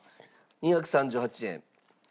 ２３８円。